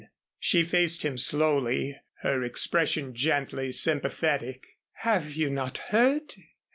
She faced him slowly, her expression gently sympathetic. "Have you not heard?"